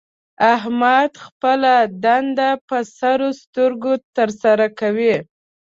احمد خپله دنده په سر سترګو تر سره کوي.